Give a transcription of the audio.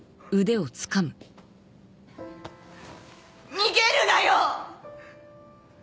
逃げるなよ！